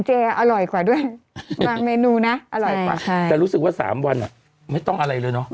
แต่รู้สึกว่า๓วันไม่ต้องอะไรเลย